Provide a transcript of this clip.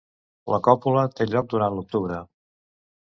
La còpula té lloc durant l'octubre.